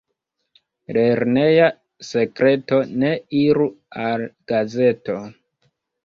Lerneja sekreto ne iru al gazeto.